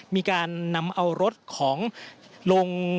มีการนำเอารถของลง